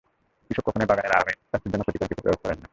কৃষক কখনোই বাগানের আমে স্বাস্থ্যের জন্য ক্ষতিকর কিছু প্রয়োগ করেন না।